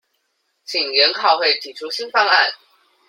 請研考會提出新方案